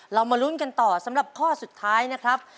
มาลุ้นกันต่อสำหรับข้อสุดท้ายนะครับ